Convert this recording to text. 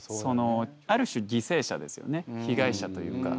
ある種犠牲者ですよね被害者というか。